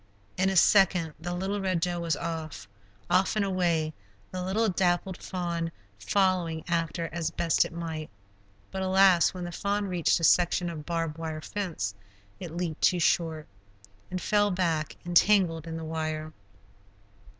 In a second, the little Red Doe was off; off and away, the little dappled fawn following after as best it might. But alas, when the fawn reached a section of barb wire fence, it leaped too short, and fell back entangled in the wire.